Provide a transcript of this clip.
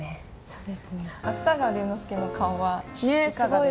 そうですね芥川龍之介の顔はいかがですか？